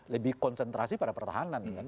lebih konsentrasi pada pertahanan